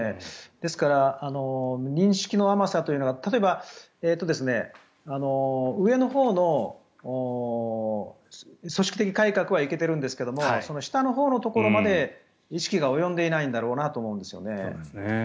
ですから、認識の甘さというのが例えば、上のほうの組織的改革はいけてるんですけども下のほうのところまで意識が及んでいないんだろうなと思うんですね。